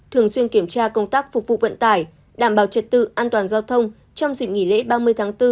thường xuyên kiểm tra công tác phục vụ vận tải đảm bảo trật tự an toàn giao thông trong dịp nghỉ lễ ba mươi tháng bốn